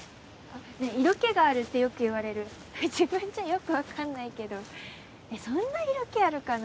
色気があるってよく言われる自分じゃよく分かんないけどえっそんな色気あるかな？